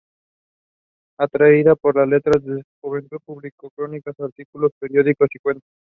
Atraída por las letras, desde su juventud, publicó crónicas, artículos periodísticos y cuentos.